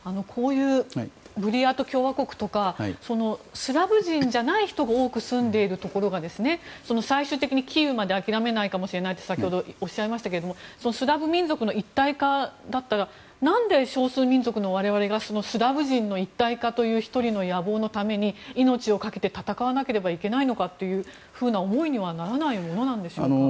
ブリヤート共和国とかスラブ人じゃない人が多く住んでいるところが最終的にキーウまで諦めないかもしれないと先ほどおっしゃいましたけどなんで少数民族がスラブ人の一体化という１人の野望のために命を懸けて戦わなければいけないのかという思いにはならないものなんでしょうか。